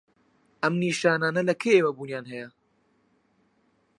ئەم نیشانانه لە کەیەوە بوونیان هەیە؟